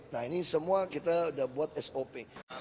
nah ini semua kita sudah buat sop